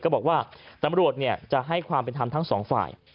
ก็บอกว่าตำรวจจะให้ความเป็นธรรมทั้งสองฝ่าย